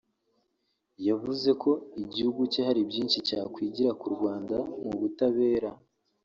yavuze ko igihugu cye hari byinshi cyakwigira ku Rwanda mu butabera